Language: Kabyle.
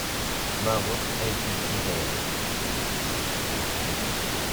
Maɣef ay tt-id-ssutren?